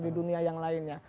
di dunia yang lainnya